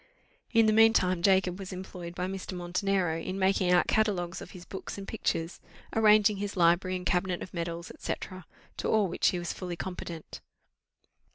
In the mean time Jacob was employed by Mr. Montenero in making out catalogues of his books and pictures, arranging his library and cabinet of medals, &c., to all which he was fully competent.